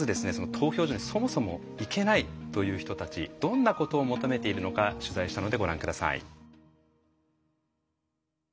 投票所にそもそも行けないという人たちどんなことを求めているのか取材したのでご覧下さい。